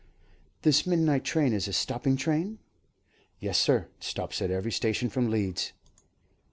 "This midnight train is a stopping train?" "Yes, sir. It stops at every station from Leeds."